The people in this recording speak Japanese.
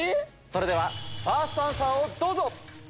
それではファーストアンサーをどうぞ。